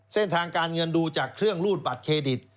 เส้นทางการเงินดูจากเครื่องรูดบัตรเครดิต